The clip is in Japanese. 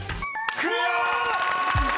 ［クリア！］